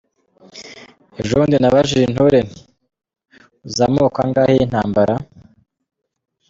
Ejobundi nabajije intore nti: Uzi amoko angahe y’intambara?